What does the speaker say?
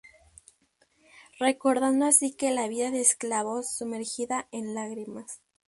Recordando así que la vida de esclavos "sumergida" en lágrimas.